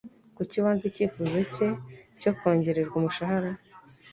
Kuki wanze icyifuzo cye cyo kongererwa umushahara?